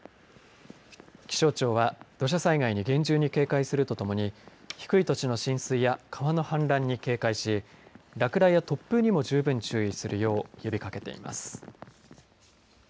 気象庁は、土砂災害に厳重に警戒するとともに、低い土地の浸水や川の氾濫に警戒し、落雷や突風にも十分注意するよう呼びかけています。